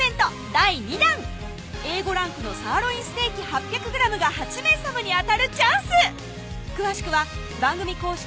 第２弾Ａ５ランクのサーロインステーキ８００ｇが８名様に当たるチャンス詳しくは番組公式